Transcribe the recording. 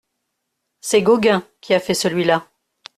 C’est Gauguin qui a fait celui-là.